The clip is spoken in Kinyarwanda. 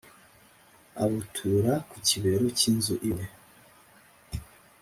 abutura ku kibero cy’inzu iwe.